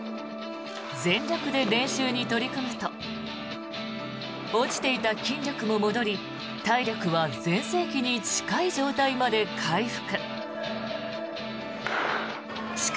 全力で練習に取り組むと落ちていた筋力も戻り体力は全盛期に近い状態にまで回復。